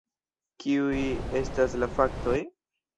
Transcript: Kiuj estas la faktoj?